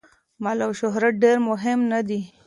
مال او شهرت ډېر مهم نه دي.